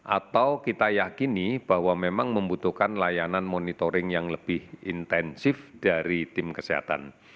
atau kita yakini bahwa memang membutuhkan layanan monitoring yang lebih intensif dari tim kesehatan